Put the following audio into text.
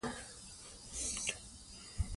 سیاسي ګډون ټولنه بیداره ساتي